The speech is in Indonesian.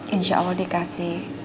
insya allah dikasih